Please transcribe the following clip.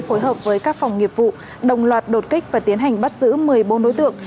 phối hợp với các phòng nghiệp vụ đồng loạt đột kích và tiến hành bắt giữ một mươi bốn đối tượng